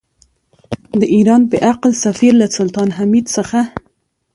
د ایران بې عقل سفیر له سلطان عبدالحمید څخه.